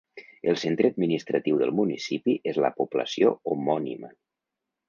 El centre administratiu del municipi és la població homònima.